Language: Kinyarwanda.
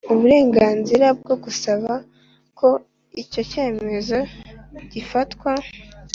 uburenganzira bwo gusaba ko icyo cyemezo gifatwa